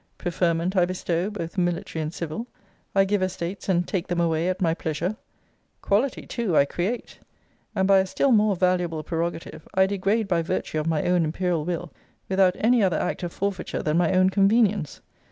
Preferment I bestow, both military and civil. I give estates, and take them away at my pleasure. Quality too I create. And by a still more valuable prerogative, I degrade by virtue of my own imperial will, without any other act of forfeiture than my own convenience.